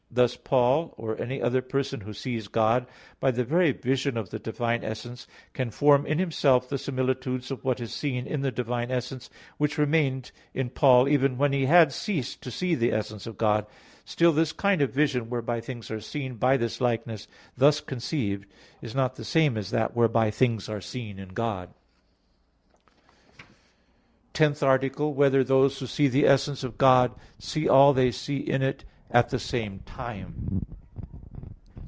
Thus Paul, or any other person who sees God, by the very vision of the divine essence, can form in himself the similitudes of what is seen in the divine essence, which remained in Paul even when he had ceased to see the essence of God. Still this kind of vision whereby things are seen by this likeness thus conceived, is not the same as that whereby things are seen in God. _______________________ TENTH ARTICLE [I, Q. 12, Art. 10] Whether Those Who See the Essence of God See All They See in It at the Same Time?